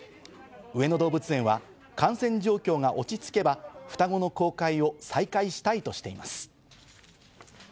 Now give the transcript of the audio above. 上野動物園は感染状況が落ち着けば、双子の公開を再開したいとしています。